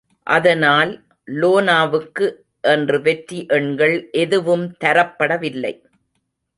அதனால் லோனாவுக்கு என்று வெற்றி எண்கள் எதுவும் தரப்படவில்லை.